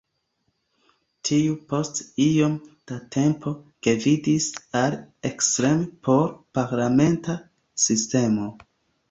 Tio post iom da tempo gvidis al ekstreme por-parlamenta sistemo.